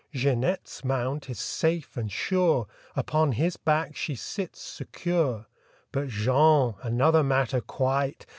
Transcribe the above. Jeanette's mount is safe and sure, Upon his back she sits secure. But Jean—another matter, quite!